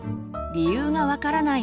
理由が分からない